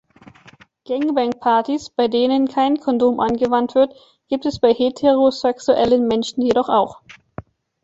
Gangbang-Partys, bei denen kein Kondom angewandt wird, gibt es bei heterosexuellen Menschen jedoch auch.